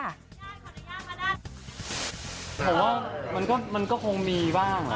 ผมว่ามันก็คงมีบ้าง